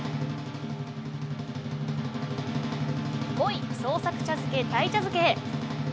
５位、創作茶漬け鯛茶漬け。